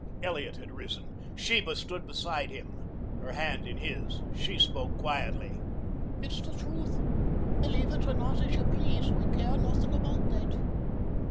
Elliot had risen. Sheba stood beside him, her hand in his. She spoke quietly. "It's the truth. Believe it or not as you please. We care nothing about that."